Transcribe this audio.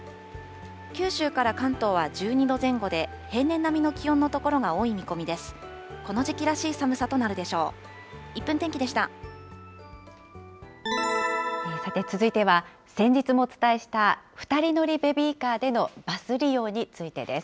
九州から関東は１２度前後で、平年並みの気温の所が多い見込みです。